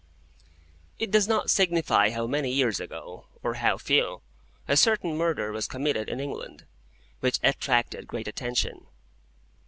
It does not signify how many years ago, or how few, a certain murder was committed in England, which attracted great attention.